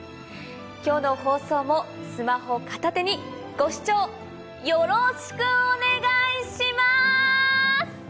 今日の放送もスマホ片手にご視聴よろしくお願いしまぁぁぁすっ‼